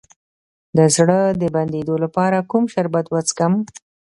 د زړه د بندیدو لپاره کوم شربت وڅښم؟